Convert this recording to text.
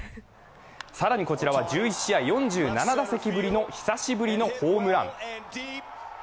更に、こちらは１１試合４７打席ぶりの久しぶりのホームラン。